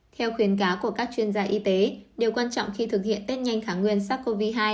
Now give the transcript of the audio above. theo khuyến cáo của các chuyên gia y tế điều quan trọng khi thực hiện tết nhanh khả nguyên sars cov hai